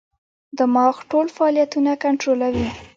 دماغ ټول فعالیتونه کنټرولوي.